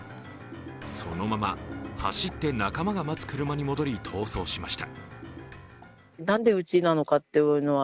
そのまま走って仲間が待つ車に戻り、逃走しました